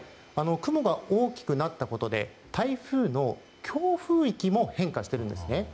雲が大きくなったことで台風の強風域も変化しているんです。